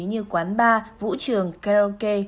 như quán bar vũ trường karaoke